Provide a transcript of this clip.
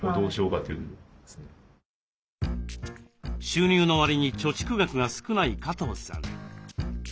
収入のわりに貯蓄額が少ない加藤さん。